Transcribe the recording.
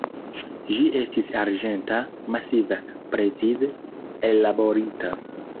Ĝi estis arĝenta, masiva, precize ellaborita.